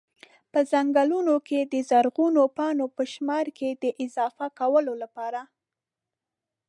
په ځنګلونو کي د زرغونو پاڼو په شمار کي د اضافه کولو لپاره